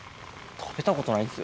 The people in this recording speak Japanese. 食べたことないです。